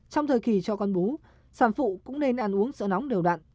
trong thời kỳ cho con bú sản phụ cũng nên ăn uống sợ nóng đều đặn